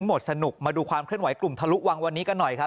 หมดสนุกมาดูความเคลื่อนไหวกลุ่มทะลุวังวันนี้กันหน่อยครับ